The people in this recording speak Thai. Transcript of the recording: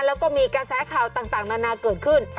แล้วก็มีกระแสข่าวต่างนานาเกิดขึ้น